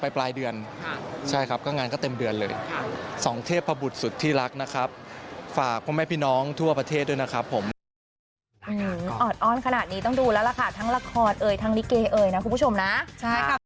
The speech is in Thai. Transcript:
ฝากพวกแม่พี่น้องทั่วประเทศด้วยนะครับผมออดอ้อนขนาดนี้ต้องดูแล้วละคะทั้งละครเอ่ยทั้งลิเกเอ่ยนะคุณผู้ชมนะใช่ครับ